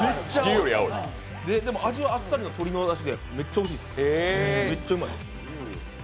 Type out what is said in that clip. でも、味はあっさり鶏の味でめっちゃおいしいです。